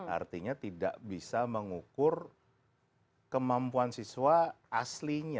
artinya tidak bisa mengukur kemampuan siswa aslinya